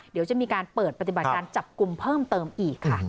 เดี๋ยวจะมีการเปิดปฏิบัติการจับกลุ่มเพิ่มเติมอีกค่ะ